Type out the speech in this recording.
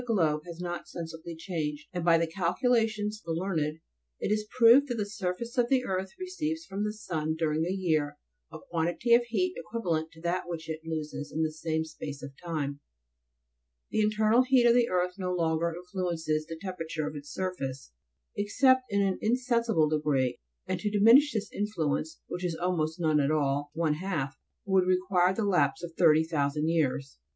13 globe has not sensibly changed, and by the calculations of the learned, it is proved that the surface of the earth receives from the sun during a year a quantity of heat equivalent to that which it loses in the same space of time ; the internal heat of the earth no longer influences the temperature of its surface, except in an in sensible degree, and to diminish this influence, which is almost none at all, one half, would require the lapse of 30,000 years.